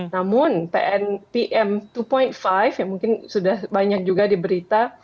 namun pm dua lima yang mungkin sudah banyak juga diberita